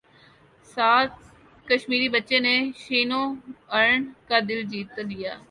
سالہ کشمیری بچے نے شین وارن کا دل جیت لیا